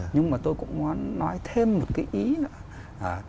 nhưng mà tôi cũng muốn nói thêm một cái ý nữa